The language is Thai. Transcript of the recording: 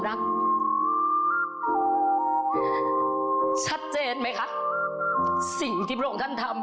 ของท่านได้เสด็จเข้ามาอยู่ในความทรงจำของคน๖๗๐ล้านคนค่ะทุกท่าน